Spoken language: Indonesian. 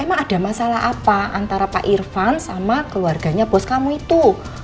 emang ada masalah apa antara pak irfan sama keluarganya bos kamu itu